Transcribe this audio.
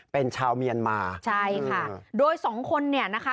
เป็นชาวเมียนมาใช่ค่ะโดยสองคนเนี่ยนะคะ